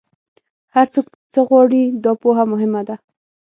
هر څوک څه غواړي، دا پوهه مهمه ده.